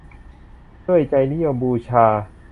ด้วยใจนิยมบูชา